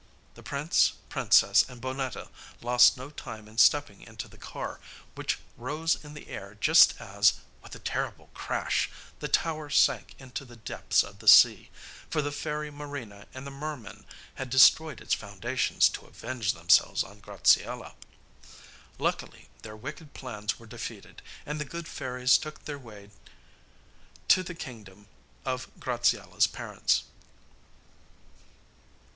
The prince, princess, and Bonnetta lost no time in stepping into the car, which rose in the air just as, with a terrible crash, the tower sank into the depths of the sea, for the fairy Marina and the mermen had destroyed its foundations to avenge themselves on Graziella. Luckily their wicked plans were defeated, and the good fairies took their way to the kingdom of Graziella's parents.